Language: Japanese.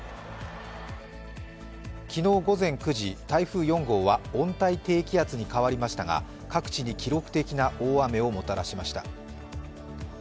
昨日午前９時、台風４号は温帯低気圧に変わりましたが、各地に記録的な大雨をもたらしました。